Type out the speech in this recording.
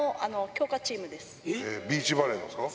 ビーチバレーのですか？